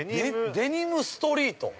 ◆デニムストリート。